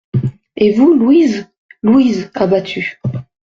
Et vous, Louise ? LOUISE, abattue.